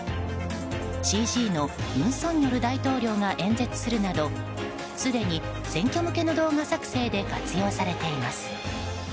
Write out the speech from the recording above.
ＣＧの尹錫悦大統領が演説するなどすでに、選挙向けの動画作成で活用されています。